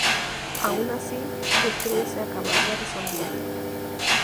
Aun así, el trío se acabaría disolviendo.